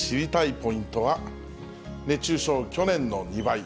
ポイントは、熱中症、去年の２倍。